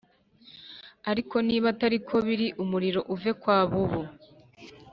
Ariko niba atari ko biri umuriro uve kwa bubu